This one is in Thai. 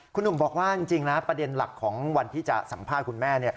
คุณหนุ่มบอกว่าจริงนะประเด็นหลักของวันที่จะสัมภาษณ์คุณแม่